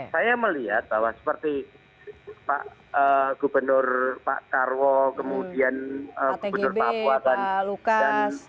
saya melihat bahwa seperti pak gubernur pak tarwo kemudian pak tgb pak lukas